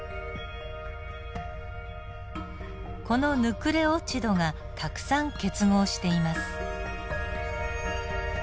このヌクレオチドがたくさん結合しています。